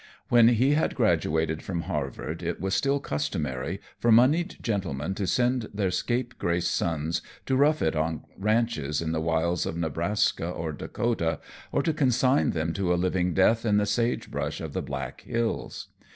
When he had graduated from Harvard it was still customary for moneyed gentlemen to send their scapegrace sons to rough it on ranches in the wilds of Nebraska or Dakota, or to consign them to a living death in the sage brush of the Black Hills.